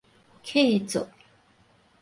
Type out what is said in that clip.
契作